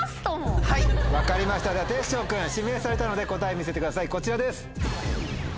分かりましたではてっしょう君指名されたので答え見せてくださいこちらです。